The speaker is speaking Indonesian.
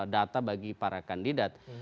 data bagi para kandidat